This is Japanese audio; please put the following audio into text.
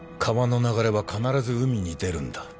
川の流れは必ず海に出るんだ